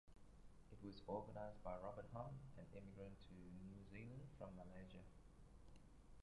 It was organised by Robert Hum, an immigrant to New Zealand from Malaysia.